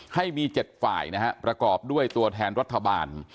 ให้มี๗ฝ่ายนะฮะประกอบด้วยตัวแทนรัฐบาล